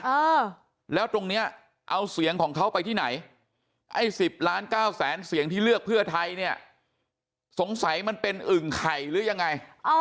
เออแล้วตรงเนี้ยเอาเสียงของเขาไปที่ไหนไอ้สิบล้านเก้าแสนเสียงที่เลือกเพื่อไทยเนี่ยสงสัยมันเป็นอึ่งไข่หรือยังไง